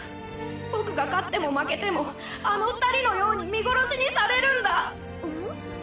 僕が勝っても負けてもあの２人のように見殺しにされるんだ